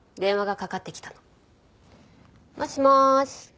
もしもーし？